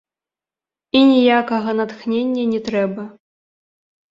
І ніякага натхнення не трэба.